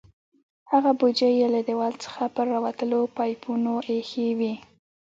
هغه بوجۍ یې له دیوال څخه پر راوتلو پایپونو ایښې وې.